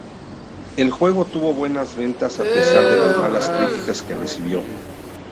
El juego tuvo buenas ventas a pesar de las malas críticas que recibió.